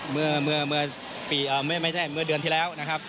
เมื่อไม่ใช่เมื่อเดือนที่แล้วนะครับ